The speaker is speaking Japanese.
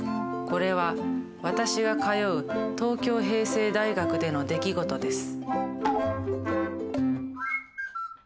これは私が通う東京平成大学での出来事です。